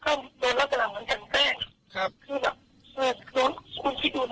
ก็โดนลักษณะเหมือนกันแป้งคือแบบโดนคุณคิดดูนะ